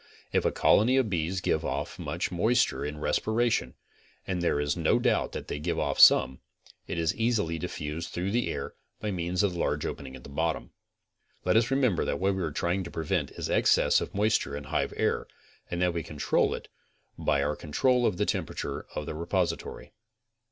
If a colony of bees give off much moisture in respiration, and there is no doubt that they give off some, it is easily diffused through the air by means of the large opening at the bottom. gvet us remember that what we are trying to prevent is ex cess of moisture in the hive air, and that we control it by our control of the temperature of the repository.